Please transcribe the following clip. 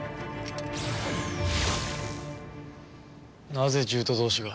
なぜ獣人同士が？